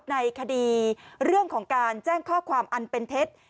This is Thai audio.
ในคดีเรื่องของการแจ้งข้อความอันเป็นเท็จ